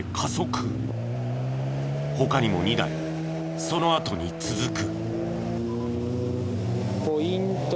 他にも２台そのあとに続く。